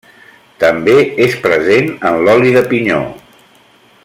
També és present en l'oli de pinyó.